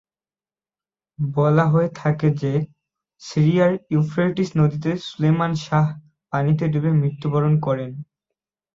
বলা হয়ে থাকে যে, সিরিয়ায় ইউফ্রেটিস নদীতে সুলেমান শাহ পানিতে ডুবে মৃত্যুবরণ করেন।